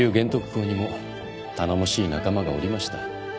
公にも頼もしい仲間がおりました。